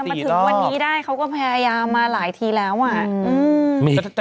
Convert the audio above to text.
มาถึงวันนี้ได้เขาก็พยายามมาหลายทีแล้วอ่ะ